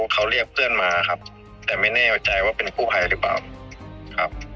เขาเรียกเพื่อนมาครับแต่ไม่แน่ใจว่าเป็นกู้ภัยหรือเปล่าครับ